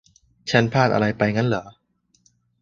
ฉันพลาดอะไรไปงั้นเหรอ ?